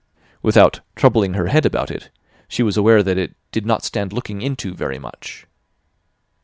Without "troubling her head about it," she was aware that it "did not stand looking into very much."